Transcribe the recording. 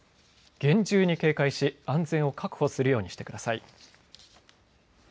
厳重に警戒し安全を確保するようにしてください。